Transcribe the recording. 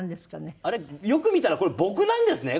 あれよく見たら僕なんですねこれ。